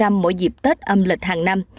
mỗi dịp tết âm lịch hàng năm